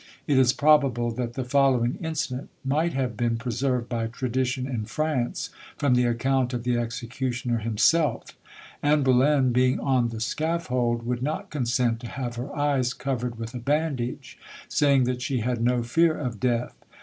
It is probable that the following incident might have been preserved by tradition in France, from the account of the executioner himself: Anne Bullen being on the scaffold, would not consent to have her eyes covered with a bandage, saying that she had no fear of death.